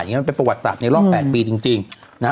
มันเป็นประวัติศาสตร์ในรอบ๘ปีจริง